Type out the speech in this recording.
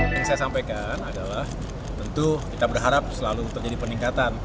yang saya sampaikan adalah tentu kita berharap selalu terjadi peningkatan